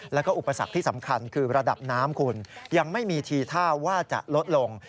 แล้วก็อุปสรรคที่สำคัญคือระดับน้ำคุณยังไม่มีทีท่าว่าจะลดลง